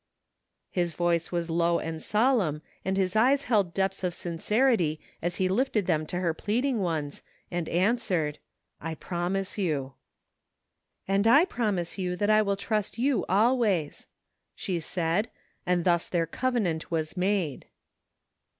" His voice was low and solemn, and his eyes held depths of sincerity as he lifted them to her pleading ones and answered: " I promise you." 92 THE FINDING OF JASPER HOLT " And I promise you that I will trust you always," she said, and thus their covenant was made.